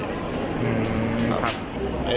ครับ